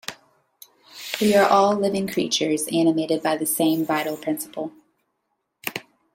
We are all living creatures, animated by the same vital principle.